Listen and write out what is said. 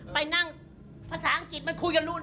ไปนั่งภาษาอังกฤษไปคุยกันเรื่อง